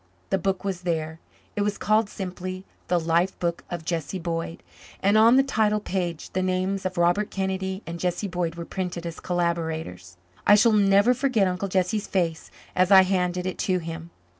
The book was there. It was called simply, The Life Book of Jesse Boyd, and on the title page the names of Robert Kennedy and Jesse Boyd were printed as collaborators. I shall never forget Uncle Jesse's face as I handed it to him.